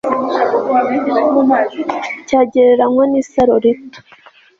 cyagereranywa nisaro rito